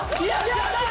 やったー！